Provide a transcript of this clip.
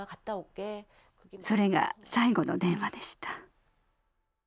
それが最後の電話でした。